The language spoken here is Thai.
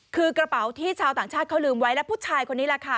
คือกระเป๋าที่ชาวต่างชาติเขาลืมไว้และผู้ชายคนนี้แหละค่ะ